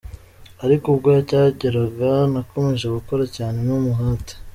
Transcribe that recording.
Ariko ubwo cyageraga, nakomeje gukora cyane n'umuhate.